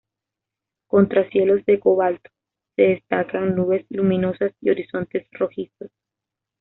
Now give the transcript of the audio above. Contra cielos de cobalto, se destacan nubes luminosas y horizontes rojizos.